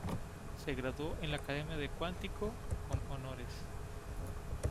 Se graduó en la academia de Quantico "con honores".